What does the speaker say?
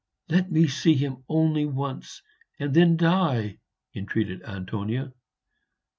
"Let me see him only once, and then die!" entreated Antonia.